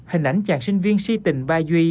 hình ảnh chàng sinh viên si tình ba duy